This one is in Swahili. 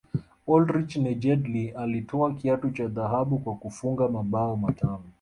oldrich nejedly alitwaa kiatu cha dhahabu kwa kufunga mabao matano